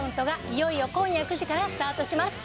いよいよ今夜９時からスタートします。